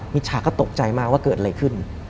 ฉาก็ตกใจมากว่าเกิดอะไรขึ้น